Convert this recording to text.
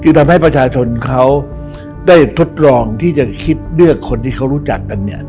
คือทำให้ประชาชนเขาได้ทดลองที่จะคิดเลือกคนที่เขารู้จักกันเนี่ย